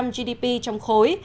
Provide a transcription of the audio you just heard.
gdp trong khối